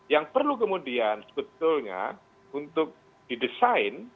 yang perlu kemudian sebetulnya untuk didesain